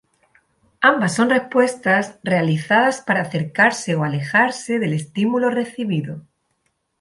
Ambas son respuestas realizadas para acercarse o alejarse del estímulo recibido.